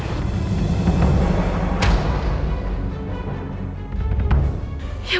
itu raja udah datang